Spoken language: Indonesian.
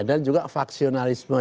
dan juga faksionalisme